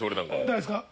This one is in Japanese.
誰ですか？